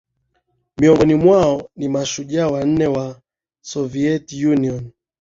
Miongoni mwao ni mashujaa wanane wa Soviet Union